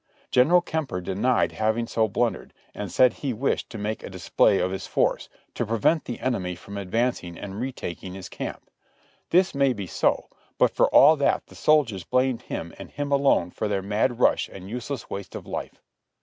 General Kemper denied having so blundered, and said he wished to make a display of his force, to prevent the enemy from advancing and re taking his camp. This may be so; but for all that, the soldiers blamed him and him alone for their mad rush and useless waste of life.